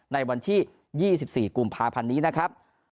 ในวันที่๒๔กุมภาพันธ์นี้นะครับ